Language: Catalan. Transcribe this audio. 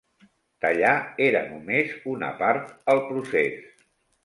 Tallar era només una part el procés.